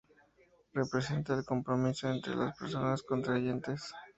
Representa el compromiso entre las personas contrayentes.